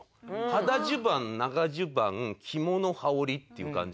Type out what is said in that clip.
肌襦袢長襦袢着物羽織っていう感じで。